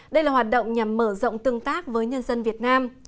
đây là hoạt động nhằm mở rộng tương tác với nhân dân việt nam